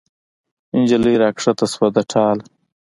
نجلۍ را کښته شوه د ټاله